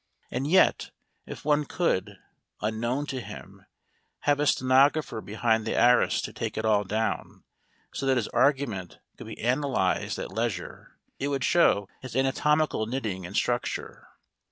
And yet, if one could (unknown to him) have a stenographer behind the arras to take it all down, so that his argument could be analyzed at leisure, it would show its anatomical knitting and structure.